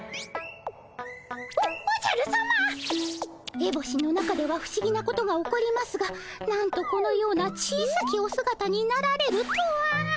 エボシの中では不思議なことが起こりますがなんとこのような小さきおすがたになられるとは。